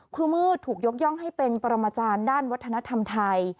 ครูมืดถูกยกย่องให้เป็นปรมาจารย์ด้านวัฒนธรรมไทย